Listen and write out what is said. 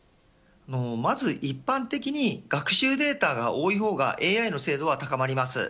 まず一般的に学習データが多い方がＡＩの精度は高まります。